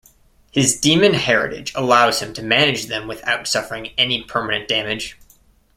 His demon heritage allows him to manage them without suffering any permanent damage.